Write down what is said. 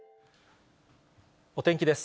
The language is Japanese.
お天気です。